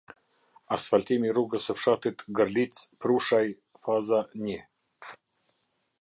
Asfaltimi i rrugës të fshatit gërlicprushaj, faza i